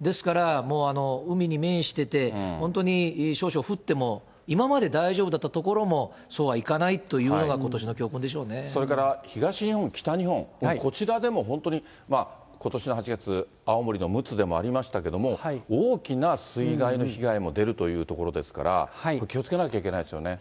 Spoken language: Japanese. ですから、海に面してて、本当に、少々降っても、今まで大丈夫だった所もそうはいかないというようなのが、ことしそれから東日本、北日本、こちらでも、本当にことしの８月、青森のむつでもありましたけれども、大きな水害の被害も出るというところですから、これ、気をつけなければいけないですよね。